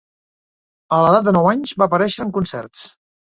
A l'edat de nou anys va aparèixer en concerts.